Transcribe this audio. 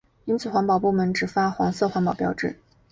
因此环保部门只发给黄色环保标志。